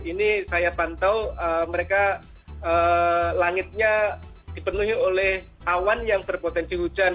ini saya pantau mereka langitnya dipenuhi oleh awan yang berpotensi hujan